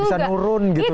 bisa nurun gitu